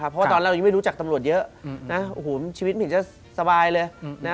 เพราะว่าตอนแรกยังไม่รู้จักตำรวจเยอะนะชีวิตมันจะสบายเลยนะ